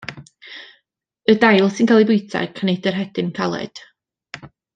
Y dail sy'n cael eu bwyta ac nid yr hedyn caled.